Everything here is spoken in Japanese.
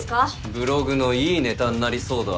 ブログのいいネタになりそうだ。